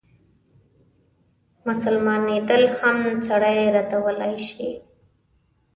مسلمانېدل هم سړی ردولای شي.